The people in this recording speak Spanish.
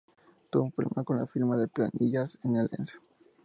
Tuvo un problema con las firmas de planillas en Alianza.